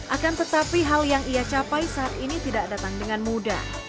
akan tetapi hal yang ia capai saat ini tidak datang dengan mudah